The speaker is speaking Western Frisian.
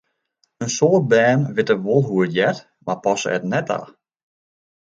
In soad bern witte wol hoe't it heart, mar passe it net ta.